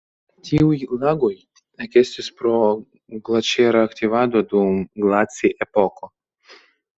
Tiuj lagoj ekestis pro glaĉera aktivado dum glaci-epoko.